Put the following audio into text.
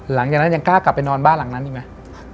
หลังจากนั้นยังกล้ากลับไปนอนบ้านหลังนั้นอีกไหม